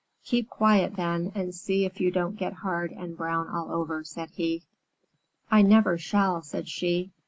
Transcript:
"Keep quiet then, and see if you don't get hard and brown all over," said he. "I never shall," said she.